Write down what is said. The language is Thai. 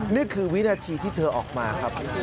นี่คือวินาทีที่เธอออกมาครับ